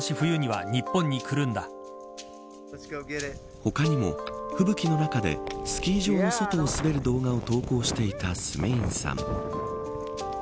他にも吹雪の中でスキー場の外を滑る動画を投稿していたスメインさん。